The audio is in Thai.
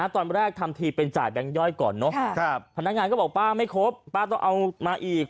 ตอนแรกทำทีเป็นจ่ายแบงค์ย่อยก่อนเนอะพนักงานก็บอกป้าไม่ครบป้าต้องเอามาอีก